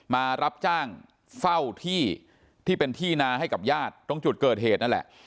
มารับจ้างเฝ้าที่ที่เป็นที่นาให้กับญาติตรงจุดเกิดเหตุนั่นแหละ